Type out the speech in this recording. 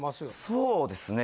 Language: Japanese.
そうですね。